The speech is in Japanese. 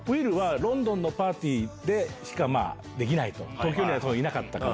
東京にはいなかったから。